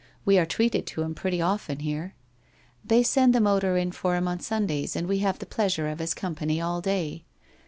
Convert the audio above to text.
We are treated to him pretty often here. They send the motor in for him on Sundays and we have the pleasure of his company all day.